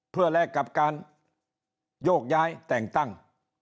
เพื่อแลกกับการโยกย้ายแต่งตั้ง